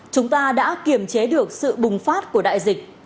chúng ta đã kiểm chế được sự bùng phát của đại dịch